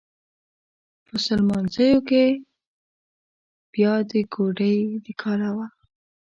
په سليمانزو کې بيا د کوډۍ د کاله و.